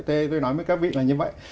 thế tôi nói với các vị là như vậy